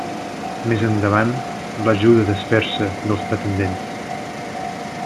Més endavant l'ajuda a desfer-se dels pretendents.